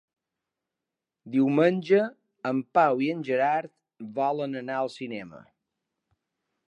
Diumenge en Pau i en Gerard volen anar al cinema.